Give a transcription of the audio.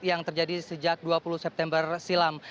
yang terjadi sejak dua puluh september silam